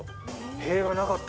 塀はなかった。